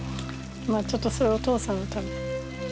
まあちょっとお父さんのため。